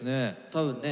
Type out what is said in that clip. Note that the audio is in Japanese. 多分ね。